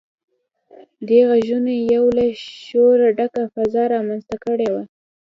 دې غږونو يوه له شوره ډکه فضا رامنځته کړې وه.